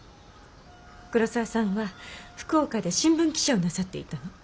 黒沢さんは福岡で新聞記者をなさっていたの。